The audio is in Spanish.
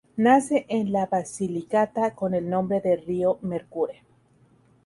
Nace en la Basilicata con el nombre de río Mercure.